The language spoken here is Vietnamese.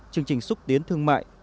chương trình xúc tiến thương mại